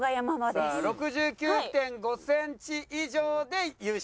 さあ６９．５センチ以上で優勝。